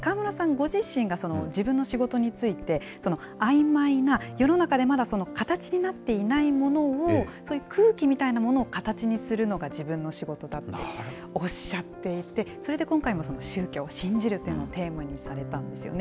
ご自身が自分の仕事について、あいまいな世の中でまだ形になっていないものを、空気みたいなものを形にするのが自分の仕事だっておっしゃっていて、それで今回も宗教を信じるというのをテーマにされたんですよね。